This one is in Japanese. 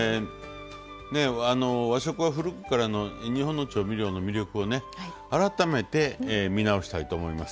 和食は古くからの日本の調味料の魅力をね改めて見直したいと思います。